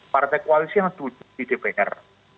partai koalisi yang duduk di dpr